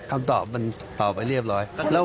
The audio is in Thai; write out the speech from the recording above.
คำตอบมันต่อไปเรียบร้อย